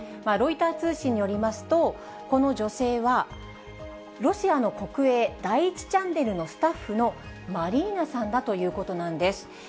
ロイター通信によりますと、この女性は、ロシアの国営第１チャンネルのスタッフのマリーナさんだということなんです。